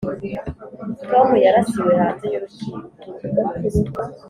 tom yarasiwe hanze y’urukiko.